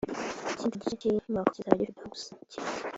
Ikindi gice cy’iyi nyubako kizaba gifite aho gusakira (Checking)